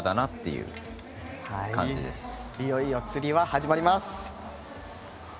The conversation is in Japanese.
いよいよつり輪が始まります。